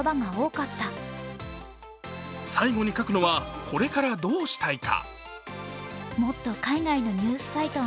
最後に書くのはこれからどうしたいか。